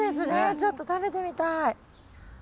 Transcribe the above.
ちょっと食べてみたい。